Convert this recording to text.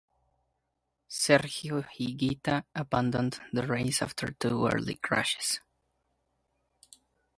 Sergio Higuita abandoned the race after two early crashes.